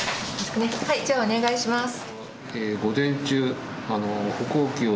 はいじゃあお願いします。